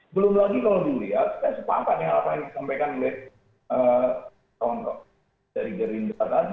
belum lagi kalau diulia saya sepakat dengan apa yang disampaikan oleh kawan kawan dari gerindra tadi